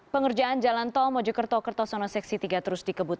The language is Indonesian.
pengerjaan jalan tol mojokerto kertosono seksi tiga terus dikebut